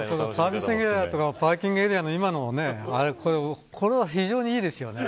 サービスエリアパーキングエリアのこれは非常にいいですよね。